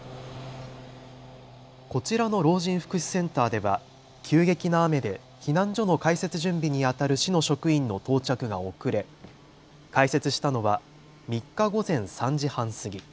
こちらの老人福祉センターでは急激な雨で避難所の開設準備にあたる市の職員の到着が遅れ開設したのは３日午前３時半過ぎ。